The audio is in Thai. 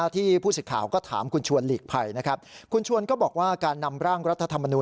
ผู้สิทธิ์ข่าวก็ถามคุณชวนหลีกภัยนะครับคุณชวนก็บอกว่าการนำร่างรัฐธรรมนูล